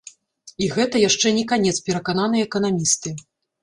І гэта яшчэ не канец, перакананыя эканамісты.